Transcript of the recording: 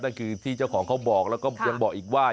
นั่นคือที่เจ้าของเขาบอกแล้วก็ยังบอกอีกว่า